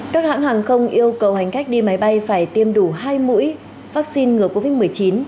các hãng hàng không yêu cầu hành khách đi máy bay phải tiêm đủ hai mũi vaccine ngừa covid một mươi chín